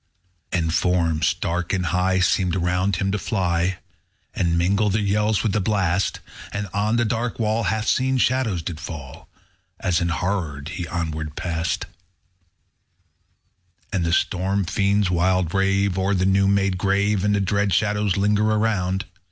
And forms, dark and high, _65 Seemed around him to fly, And mingle their yells with the blast: And on the dark wall Half seen shadows did fall, As enhorrored he onward passed. _70 13. And the storm fiends wild rave O'er the new made grave, And dread shadows linger around.